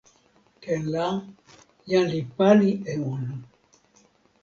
ken la, jan li pali e ona.